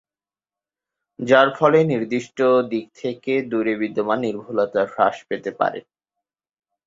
যার ফলে নির্দিষ্ট দিক থেকে দূরে বিদ্যমান নির্ভুলতা হ্রাস পেতে পারে।